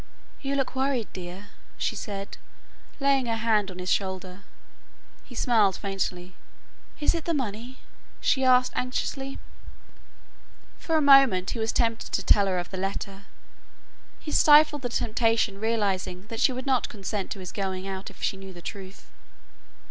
"You look worried, dear," she said, laying her hand on his shoulder. He smiled faintly. "Is it the money?" she asked anxiously. For a moment he was tempted to tell her of the letter. He stifled the temptation realizing that she would not consent to his going out if she knew the truth.